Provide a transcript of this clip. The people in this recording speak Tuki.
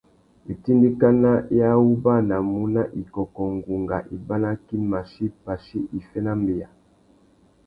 Itindikana i awubanamú na ikôkô, ngunga, ibanakí, machí, pachí, iffê na mbeya.